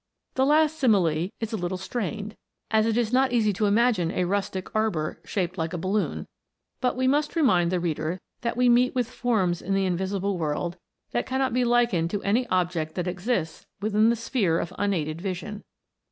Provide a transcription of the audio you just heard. The last simile is a little strained, as it is not easy to imagine a rustic arbour shaped like a balloon, but we must remind the reader that we meet with forms in the invisible world that cannot be likened to any object Q2 228 THE INVISIBLE WOULD. that exists within the sphere of unaided vision.